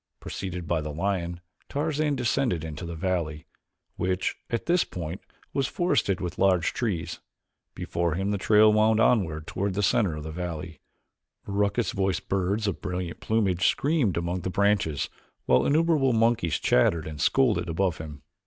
Preceded by the lion Tarzan descended into the valley, which, at this point, was forested with large trees. Before him the trail wound onward toward the center of the valley. Raucous voiced birds of brilliant plumage screamed among the branches while innumerable monkeys chattered and scolded above him.